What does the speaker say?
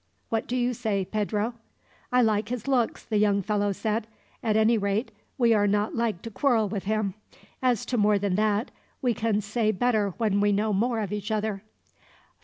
"What do you say, Pedro?" "I like his looks," the young fellow said. "At any rate, we are not like to quarrel with him. As to more than that, we can say better when we know more of each other."